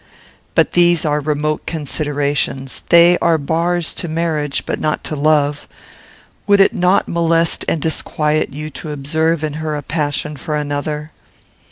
"But these are remote considerations; they are bars to marriage, but not to love. Would it not molest and disquiet you to observe in her a passion for another?"